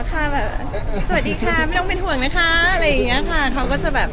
ข้าสวัสดีค่ะไม่ต้องเป็นห่วงนะคะ